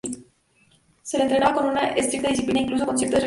Se les entrenaba con una estricta disciplina e incluso con ciertas restricciones.